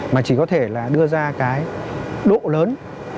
mà chỉ có thể là đưa ra cái độ lớn